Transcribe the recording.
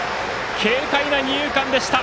軽快な二遊間でした。